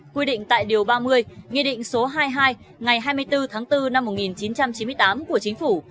quy định tại điều ba mươi nghị định số hai mươi hai ngày hai mươi bốn tháng bốn năm một nghìn chín trăm chín mươi tám của chính phủ